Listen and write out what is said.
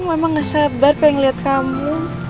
aw mama gak sabar pengen liat kamu